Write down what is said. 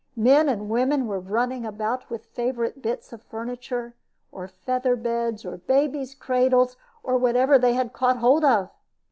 Men and women were running about with favorite bits of furniture, or feather beds, or babies' cradles, or whatever they had caught hold of.